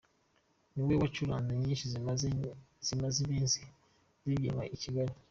Ni we wacuranze nyinshi zimaze iminsi zibyinwa i Kigali.